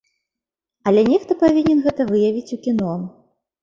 Але нехта павінен гэта выявіць у кіно.